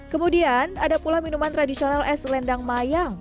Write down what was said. kemudian ada pula minuman tradisional es lendang mayang